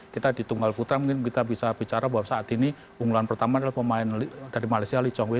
kita di tunggal putra mungkin kita bisa bicara bahwa saat ini unggulan pertama adalah pemain dari malaysia lee chong wei